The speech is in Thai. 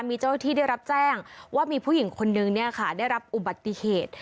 มีเจ้าที่ได้รับแจ้งว่ามีผู้หญิงคนนึงได้รับอุบัติเหตุ